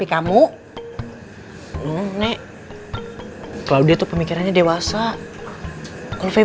tidak mau peduli dengan kosong beloved